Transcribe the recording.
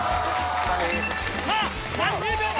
さぁ３０秒前！